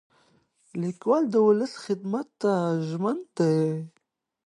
لیکوال د ولس خدمت ته ژمن دی.